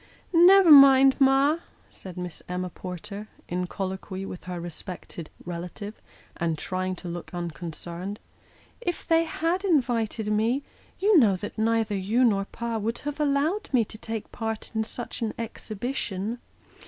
" Never mind, ma," said Miss Emma Porter, in colloquy with her respected relative, and trying to look unconcerned; "if they had invited me, you know that neither you nor pa would have allowed me to take part in such an exhibition."